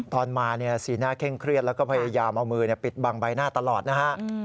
ตอนมาสีหน้าเคร่งเครียดแล้วก็พยายามเอามือปิดบังใบหน้าตลอดนะฮะ